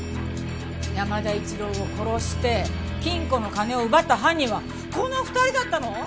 山田一郎を殺して金庫の金を奪った犯人はこの２人だったの！？